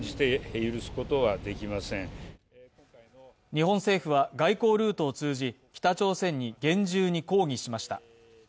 日本政府は外交ルートを通じ、北朝鮮に厳重に抗議しました。